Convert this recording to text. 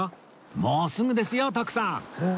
もうすぐですよ徳さん